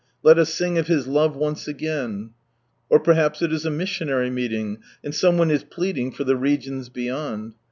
" Let us sing of His love once again." Or perhaps it is a missionary meeting, and some one is pleading for the regions beyond.